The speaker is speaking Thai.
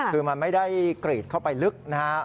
คือมันไม่ได้กรีดเข้าไปลึกนะฮะ